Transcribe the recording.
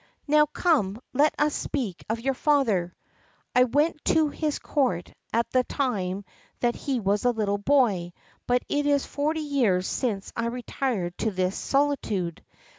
Now, come, let us speak of your father: I went to his Court at the time that he was a little boy, but it is forty years since I retired to this solitude.